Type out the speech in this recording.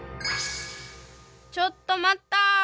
ちょっと待った！